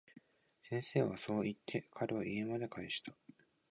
先生はそう言って、彼を家まで帰した。